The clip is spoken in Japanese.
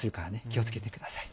気を付けてください。